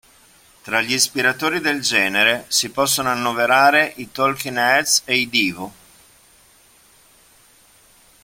Tra gli ispiratori del genere si possono annoverare i Talking Heads e i Devo.